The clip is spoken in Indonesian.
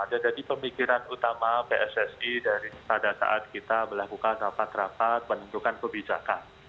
jadi pemikiran utama pssi dari pada saat kita melakukan rapat rapat penunjukan kebijakan